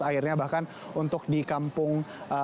akhirnya bahkan untuk di kampung